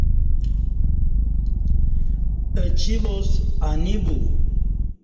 اہ چی واس انی بو